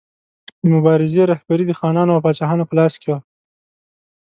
د مبارزې رهبري د خانانو او پاچاهانو په لاس کې وه.